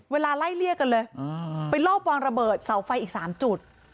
เวลาไล่เลี่ยกันเลยไปรอบวางระเบิดเสาไฟอีก๓จุด